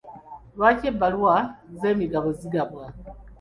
Lwaki ebbaluwa z'emigabo zigabwa?